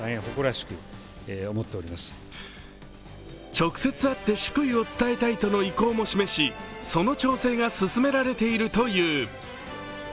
直接会って祝意を示したいとの意向を示しその調整が進められているという。